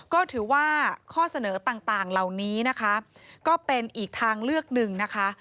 ก็ถือว่าข้อเสนอต่างเหล่านี้นะคะก็เป็นอีกทางเลือกหนึ่งนะคะ